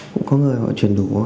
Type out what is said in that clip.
cũng có người họ chuyển đủ